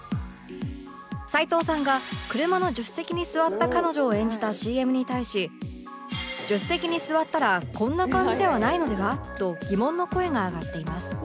齊藤さんが車の助手席に座った彼女を演じた ＣＭ に対し「助手席に座ったらこんな感じではないのでは？」と疑問の声が上がっています